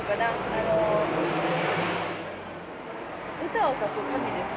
あの歌を書く紙です。